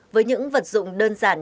với những vật dụng đơn giản